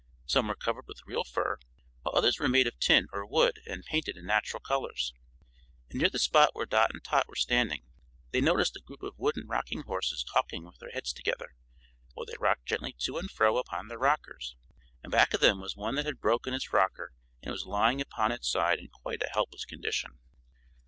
Some were covered with real fur, while others were made of tin or wood and painted in natural colors. Near the spot where Dot and Tot were standing they noticed a group of wooden rocking horses talking with their heads together, while they rocked gently to and fro upon their rockers. Back of them was one that had broken its rocker and was lying upon its side in quite a helpless condition.